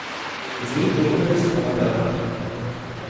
Z něj plochu nevyskládáte.